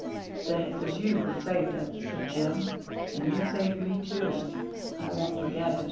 "Then it was you who saved it," said Jim. "And you saved me, too. I won't forget it."